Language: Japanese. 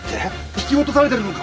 引き落とされてるのか。